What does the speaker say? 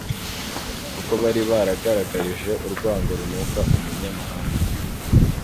kuko bari baragaragarije urwango runuka umunyamahanga